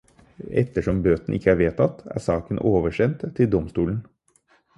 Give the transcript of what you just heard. Ettersom bøtene ikke er vedtatt, er sakene oversendt til domstolen.